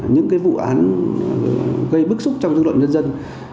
những cái vụ án gây bức xúc trong dân loại nhân dân